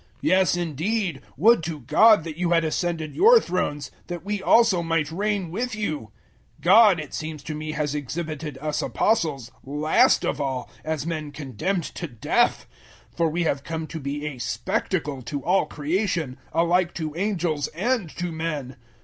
Yes indeed, would to God that you had ascended your thrones, that we also might reign with you! 004:009 God, it seems to me, has exhibited us Apostles last of all, as men condemned to death; for we have come to be a spectacle to all creation alike to angels and to men.